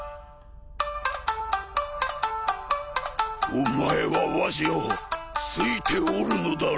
お前はわしを好いておるのだろう？